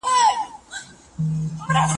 د زړه دربا یې زیاته شوه